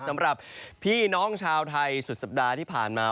สำหรับพี่น้องชาวไทยสุดสัปดาห์ที่ผ่านมา